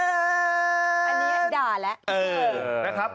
อันนี้ด่าแล้ว